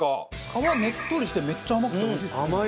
皮ねっとりしてめっちゃ甘くておいしいですね。